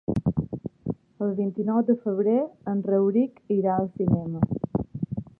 El vint-i-nou de febrer en Rauric irà al cinema.